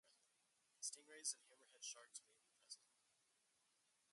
Stingrays and hammerhead sharks may be present.